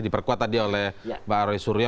diperkuat tadi oleh mbak roy suryo